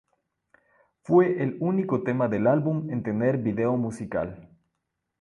Fue el único tema del álbum en tener video musical.